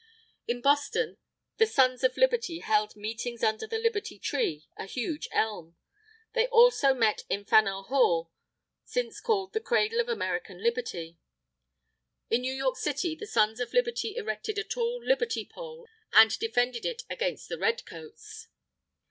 In Boston, the Sons of Liberty held meetings under the Liberty Tree, a huge elm; they met also in Faneuil Hall, since called "the Cradle of American Liberty." In New York City, the Sons of Liberty erected a tall Liberty Pole, and defended it against the Red Coats.